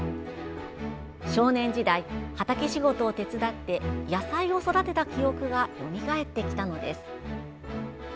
少年時代、畑仕事を手伝って野菜を育てた記憶がよみがえってきたのです。